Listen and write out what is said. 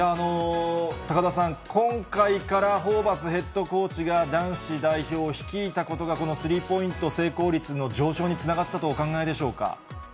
高田さん、今回からホーバスヘッドコーチが男子代表を率いたことが、このスリーポイント成功率の上昇につながったとお考えでしょうか。